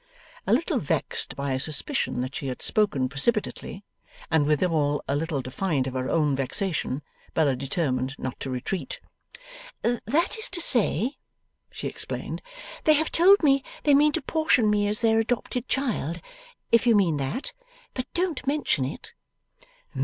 A little vexed by a suspicion that she had spoken precipitately, and withal a little defiant of her own vexation, Bella determined not to retreat. 'That is to say,' she explained, 'they have told me they mean to portion me as their adopted child, if you mean that. But don't mention it.